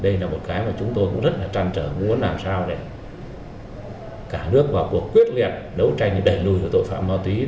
đây là một cái mà chúng tôi cũng rất là trăn trở muốn làm sao để cả nước vào cuộc quyết liệt đấu tranh đẩy lùi tội phạm ma túy